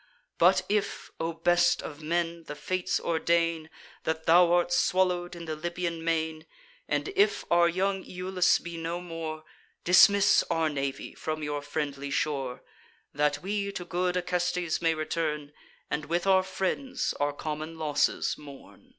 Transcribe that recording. But if, O best of men, the Fates ordain That thou art swallow'd in the Libyan main, And if our young Iulus be no more, Dismiss our navy from your friendly shore, That we to good Acestes may return, And with our friends our common losses mourn."